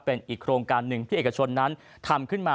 เป็นอีกโครงการหนึ่งที่เอกชนนั้นทำขึ้นมา